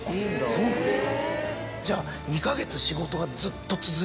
そうなんですか。